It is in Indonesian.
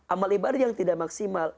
amal ibadah yang tidak maksimal